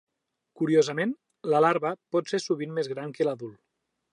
Curiosament, la larva pot ser sovint més gran que l'adult.